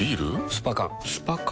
スパ缶スパ缶？